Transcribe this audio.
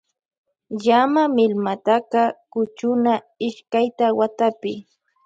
Llama milmataka kuchuna ishkayta watapi.